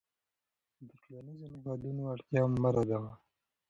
د ټولنیزو نهادونو اړتیا مه ردوه.